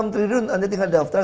enam triliun anda tinggal daftar